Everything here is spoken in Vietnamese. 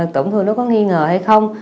tổn thương nó có nghi ngờ hay không